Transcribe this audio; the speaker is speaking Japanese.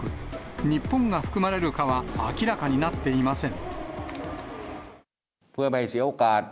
日本が含まれるかは明らかになっていません。